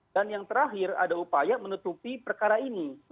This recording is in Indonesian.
dan yang terakhir ada upaya menutupi perkara ini